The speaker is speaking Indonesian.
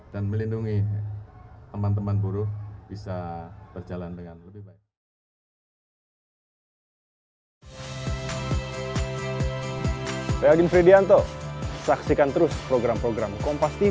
dan melindungi teman teman buruh